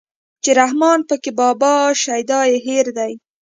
چې رحمان پکې بابا شيدا يې هېر دی